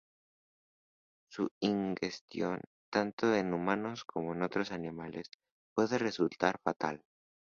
Su ingestión, tanto en humanos como en otros animales, puede resultar fatal.